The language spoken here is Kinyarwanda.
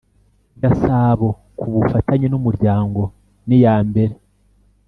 Gasabo ku bufatanye n ‘Umuryango niyambere.